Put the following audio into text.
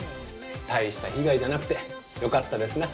大した被害じゃなくてよかったですな。